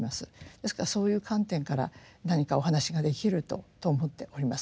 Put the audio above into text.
ですからそういう観点から何かお話ができると思っております。